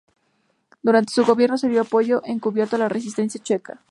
Durante su Gobierno, se dio apoyo encubierto a la resistencia checa.